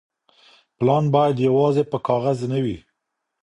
پلان بايد يوازي په کاغذ نه وي.